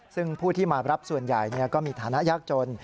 ซึ่งผู้ที่มารับส่วนใหญ่ก็มีฐานะยากจน